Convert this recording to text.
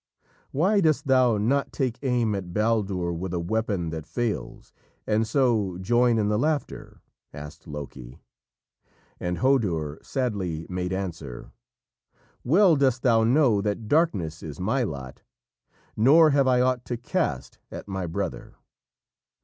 "Why dost thou not take aim at Baldur with a weapon that fails and so join in the laughter?" asked Loki. And Hodur sadly made answer: "Well dost thou know that darkness is my lot, nor have I ought to cast at my brother."